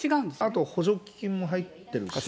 あと補助金も入ってるし。